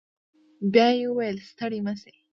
بيا يې وويل ستړي مه سئ.